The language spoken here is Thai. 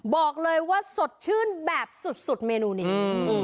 บอกเลยว่าสดชื่นแบบสุดเมนูนี้